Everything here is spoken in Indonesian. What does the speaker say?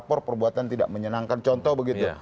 umpama yang itu tadi